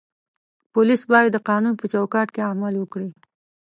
پولیس باید د قانون په چوکاټ کې عمل وکړي.